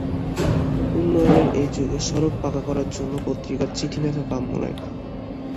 উন্নয়নের এই যুগে সড়ক পাকা করার জন্য পত্রিকায় চিঠি লেখা কাম্য নয়।